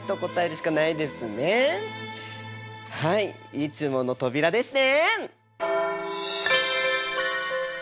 いつもの扉ですね。